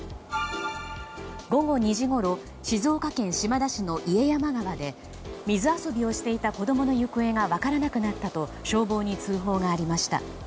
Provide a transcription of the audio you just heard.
午後２時ごろ静岡県島田市の家山川で水遊びをしていた子供の行方が分からなくなったと消防に通報がありました。